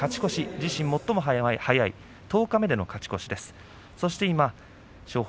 自身最も早い十日目での勝ち越しです。